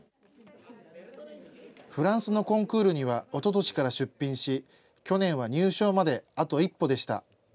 フランスのコンクールにはおととしから出品し、去年は入賞まであと一歩でした。